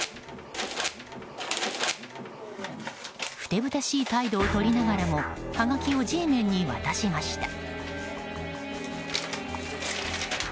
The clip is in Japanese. ふてぶてしい態度をとりながらもはがきをＧメンに渡しました。